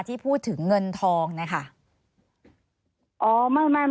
ที่พูดถึงเงินทองนะคะ